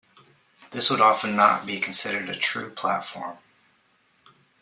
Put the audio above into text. This would often not be considered a true platform.